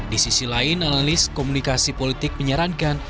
di sisi lain analis komunikasi politik menyarankan